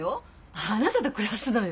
あなたと暮らすのよ。